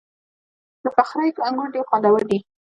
د فخری انګور ډیر خوندور دي.